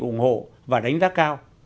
ủng hộ và đánh giá cao